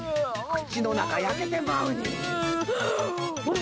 口の中焼けてまうに。